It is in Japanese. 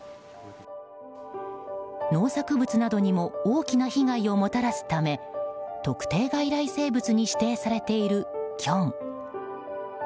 農作物などにも大きな被害をもたらすため特定外来生物に指定されているキョン。